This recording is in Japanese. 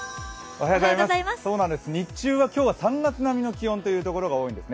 日中は今日は３月並みの気温という所が多いんですね。